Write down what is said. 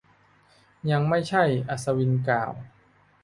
ยังไม่ใช่ อัศวินกล่าว